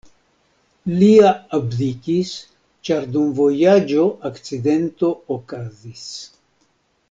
Lia abdikis, ĉar dum vojaĝo akcidento okazis.